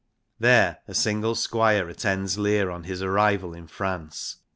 There a single squire attends Lear on his arrival in France.